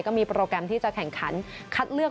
ก็มีโปรแกรมที่จะแข่งขันคัดเลือก